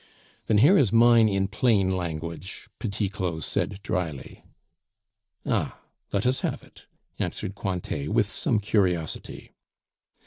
"Then here is mine in plain language," Petit Claud said drily. "Ah! let us have it," answered Cointet, with some curiosity.